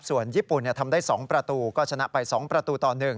ส่วนญี่ปุ่นทำได้๒ประตูก็ชนะไป๒ประตูต่อ๑